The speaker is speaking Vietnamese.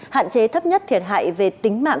hạn chế thấp nhất thiệt hại về tính mạng